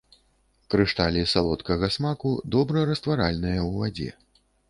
Крышталі салодкага смаку, добра растваральныя ў вадзе.